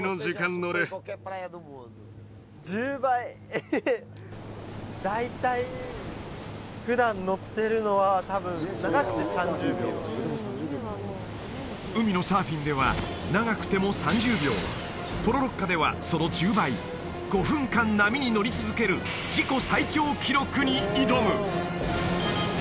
えっ大体海のサーフィンでは長くても３０秒ポロロッカではその１０倍５分間波に乗り続ける自己最長記録に挑む！